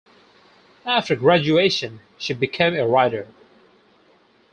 After graduation, she became a writer.